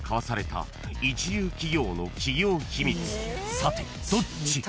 ［さてどっち］